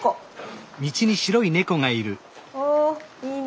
おいいねえ。